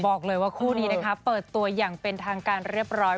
บอกเลยว่าคู่นี้นะคะเปิดตัวอย่างเป็นทางการเรียบร้อย